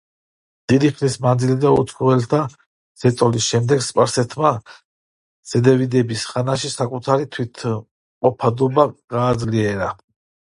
დიდი ხნის მანძილზე უცხოელთა ზეწოლის შემდეგ სპარსეთმა, სეფევიდების ხანაში, საკუთარი თვითმყოფადობა გააძლიერა.